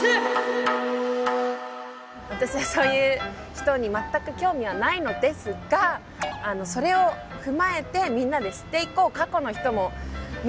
私はそういう人に全く興味はないのですがそれを踏まえてみんなで知っていこう。